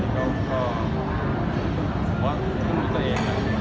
แล้วก็ผมว่าต้องตรวจตัวเอง